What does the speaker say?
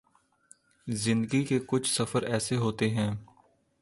زندگی کے کچھ سفر ایسے ہوتے ہیں